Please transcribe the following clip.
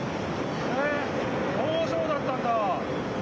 へえ工場だったんだ！